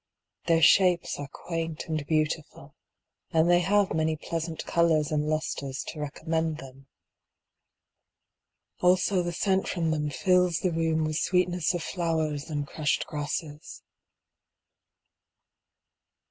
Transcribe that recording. Their shapes are quaint and beautiful, And they have many pleasant colours and lustres To recommend them. Also the scent from them fills the room With sweetness of flowers and crushed grasses.